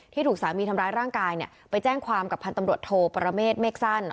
ถูกสามีทำร้ายร่างกายไปแจ้งความกับพันธ์ตำรวจโทปรเมฆเมฆสั้น